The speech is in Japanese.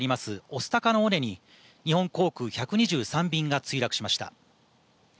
御巣鷹の尾根に日本航空１２３便が墜落しました。